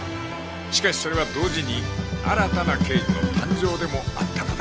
しかしそれは同時に新たな刑事の誕生でもあったのだ